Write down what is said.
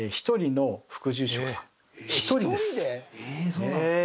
そうなんですか。